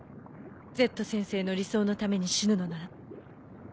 Ｚ先生の理想のために死ぬのなら構わないわ。